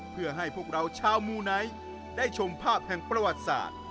เพื่อให้พวกเราชาวมูไนท์ได้ชมภาพแห่งประวัติศาสตร์